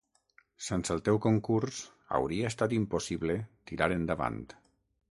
Sense el teu concurs hauria estat impossible tirar endavant...